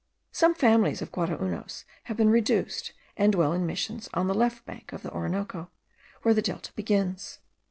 Some families of Guaraunos have been reduced and dwell in Missions on the left bank of the Orinoco, where the Delta begins.